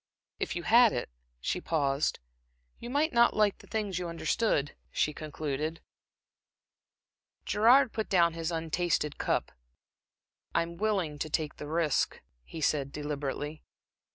If you had it" She paused. "You might not like the things you understood," she concluded. Gerard put down his untasted cup. "I'm willing to take the risk," he said, deliberately.